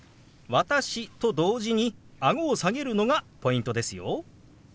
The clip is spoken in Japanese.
「私」と同時にあごを下げるのがポイントですよ。